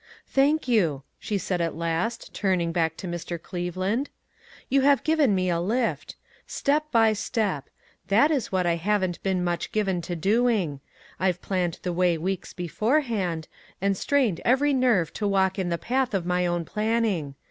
" Thank you," she said, at last, turning back to Mr. Cleveland, "you have given me a lift. 'Step by step.' That is what I 44 ONE COMMONPLACE DAY. haven't been much given to doing. I've planned the way weeks beforehand, and strained every nerve to walk in the path of my own planning.